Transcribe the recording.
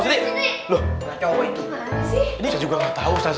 ini saya juga gak tau ustadz